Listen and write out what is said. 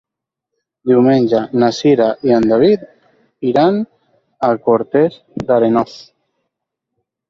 Diumenge na Cira i en David iran a Cortes d'Arenós.